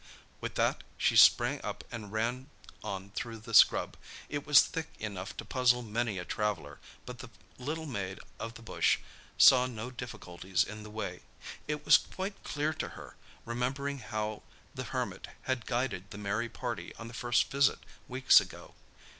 With that she sprang up and ran on through the scrub. It was thick enough to puzzle many a traveller, but the little maid of the bush saw no difficulties in the way. It was quite clear to her, remembering how the Hermit had guided their merry party on the first visit, weeks ago.